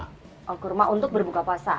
kalau kurma untuk berbuka puasa